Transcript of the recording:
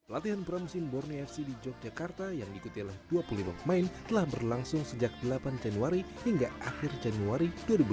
latihan pramusim borneo fc di yogyakarta yang diikuti oleh dua puluh lima pemain telah berlangsung sejak delapan januari hingga akhir januari dua ribu dua puluh